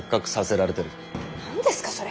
なんですかそれ。